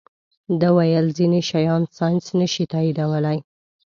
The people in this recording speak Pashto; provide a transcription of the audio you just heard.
ده ویل ځینې شیان ساینس نه شي تائیدولی.